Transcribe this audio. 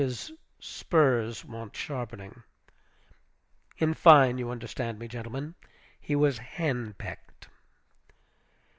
his spurs want sharpening." In fine, you understand me, gentlemen, he was hen pecked.